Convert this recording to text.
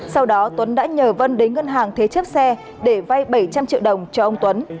sau đó tuấn đã nhờ vân đến ngân hàng thế chiếc xe để vay bảy trăm linh triệu đồng cho ông tuấn